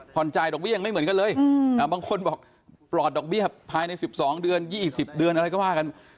จ่ายดอกเบี้ยังไม่เหมือนกันเลยบางคนบอกปลอดดอกเบี้ยภายใน๑๒เดือน๒๐เดือนอะไรก็ว่ากัน